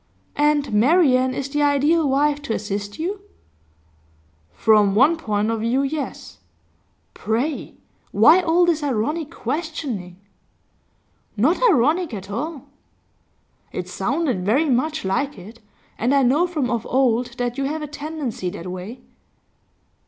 'And Marian is the ideal wife to assist you?' 'From one point of view, yes. Pray, why all this ironic questioning?' 'Not ironic at all.' 'It sounded very much like it, and I know from of old that you have a tendency that way.